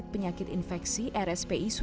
apanya nih yang sakit nih ibu